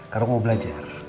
karena aku mau belajar